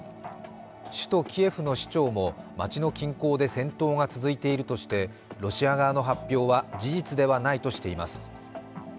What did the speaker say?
首都キエフの市長も町の近郊で戦闘が続いているとしてロシア側の発表は事実ではないとしています。